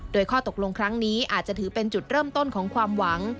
โดยข้อตกลงครั้งนี้อาจจะถือเป็นจุดเริ่มต้นของความหวัง